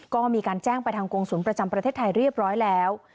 ก็มีการแจ้งไปทางกรงศูนย์ประจำประเทศไทยเรียบร้อยแล้ว